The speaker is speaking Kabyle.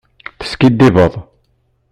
Teskiddibeḍ.